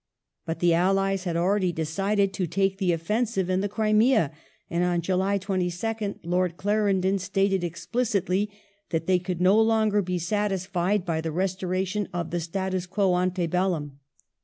But the allies had already decided to take the offensive in the Crimea, and on July 22nd Lord Clarendon stated explicitly that they w^ould no longer be satisfied by the restoration of the Status quo ante helium.